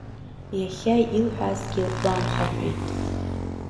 Иахьа илҳәазгьы ламхаҳәеит.